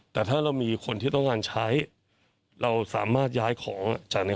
แต่ถ้าเรามีคนที่ต้องการใช้เราสามารถย้ายของจากใน